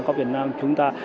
có việt nam chúng ta